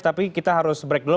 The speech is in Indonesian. tapi kita harus break dulu